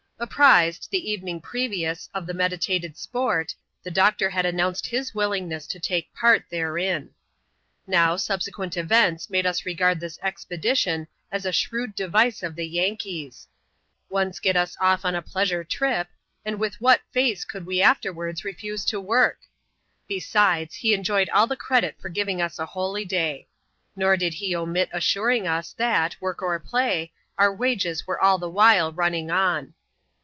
Apprised, the evening previous, of the meditated sport, the doctor had announced his willingness to take part therein. Now, subsequent events made us regard this expedition as a shrewd device of the Yankee's. Once get us off on a pleasure trip, and with what face could we afterwards refuse to work ? Besides, he enjoyed all the credit of giving us a holyday. Nor did he omit assuring us, that, work or play, our wages were all the while running on.